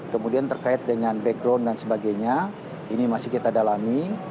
kemudian terkait dengan background dan sebagainya ini masih kita dalami